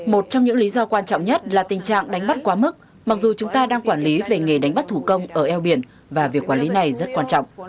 một trong những lý do quan trọng nhất là tình trạng đánh bắt quá mức mặc dù chúng ta đang quản lý về nghề đánh bắt thủ công ở eo biển và việc quản lý này rất quan trọng